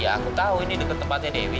ya aku tahu ini deket tempatnya dewi